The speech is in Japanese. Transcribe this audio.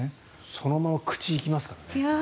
そのまま口に行きますからね。